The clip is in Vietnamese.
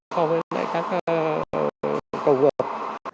so với lại các cầu vượt